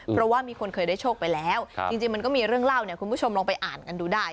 เพราะว่ามีคนเคยได้โชคไปแล้วจริงมันก็มีเรื่องเล่าเนี่ยคุณผู้ชมลองไปอ่านกันดูได้